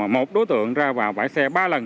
một đối tượng ra vào bãi xe ba lần